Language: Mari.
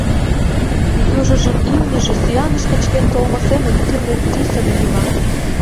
Южыжын имньыже сӱаныш кычкен толмо семын тӱрлӧ тӱсын йӱла.